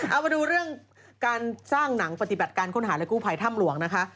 เอามาดูเรื่องการสร้างหนังปฏิบัติการค้นหาและกู้ภัยถ้ำหลวงนะคะ